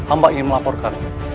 amba ingin melaporkan